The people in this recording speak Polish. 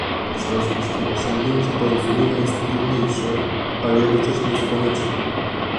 W związku z tym osiągniecie porozumienia jest trudniejsze, ale jednocześnie jest konieczne